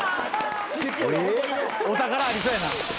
お宝ありそうやな。